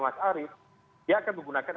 mas arief dia akan menggunakan